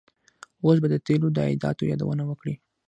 اوس به د تیلو د عایداتو یادونه وکړي.